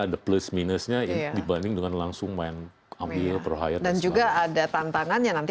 ada plus minusnya dibanding dengan langsung main ambil prof hire dan juga ada tantangannya nanti